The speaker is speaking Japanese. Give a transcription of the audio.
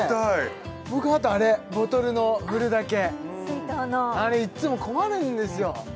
僕あとあれボトルの振るだけ水筒のあれいっつも困るんですよ